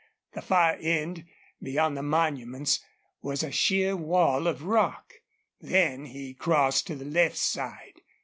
The far end, beyond the monuments, was a sheer wall of rock. Then he crossed to the left side.